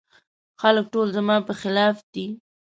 خلګ ټول زما په خلاف دي.